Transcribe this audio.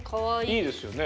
いいですよね。